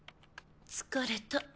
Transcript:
疲れた。